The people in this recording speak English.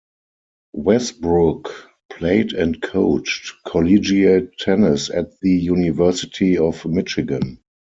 Wesbrook played and coached collegiate tennis at the University of Michigan.